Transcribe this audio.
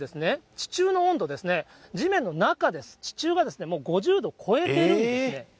地中の温度ですね、地面の中です、地中は５０度を超えてるんですね。